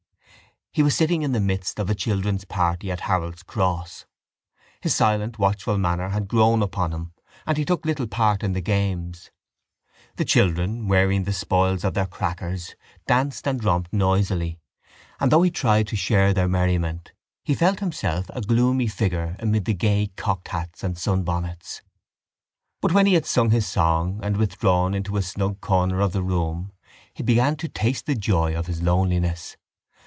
He was sitting in the midst of a children's party at Harold's Cross. His silent watchful manner had grown upon him and he took little part in the games. The children, wearing the spoils of their crackers, danced and romped noisily and, though he tried to share their merriment, he felt himself a gloomy figure amid the gay cocked hats and sunbonnets. But when he had sung his song and withdrawn into a snug corner of the room he began to taste the joy of his loneliness.